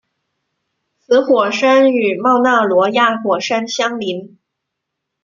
此火山与冒纳罗亚火山相邻。